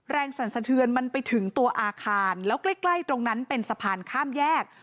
สั่นสะเทือนมันไปถึงตัวอาคารแล้วใกล้ตรงนั้นเป็นสะพานข้ามแยก